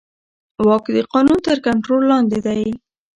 واک د قانون تر کنټرول لاندې دی.